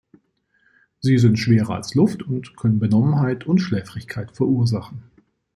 Sie sind schwerer als Luft und können Benommenheit und Schläfrigkeit verursachen.